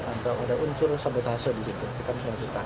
atau ada unsur sabotase di situ